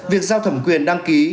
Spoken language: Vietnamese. việc giao thẩm quyền đăng ký